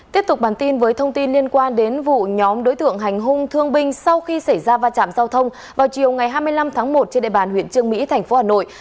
tiếp tục bản tin với thông tin liên quan đến vụ nhóm đối tượng hành hung thương binh sau khi xảy ra va chạm giao thông vào chiều ngày hai mươi năm tháng một trên địa bàn huyện trương mỹ thành phố hà nội